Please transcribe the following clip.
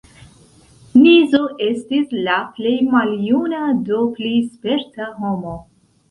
Nizo estis la plej maljuna, do pli sperta homo.